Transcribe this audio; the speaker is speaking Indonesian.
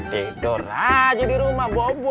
tidur aja di rumah bobo